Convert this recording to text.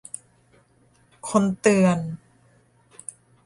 คนเตือน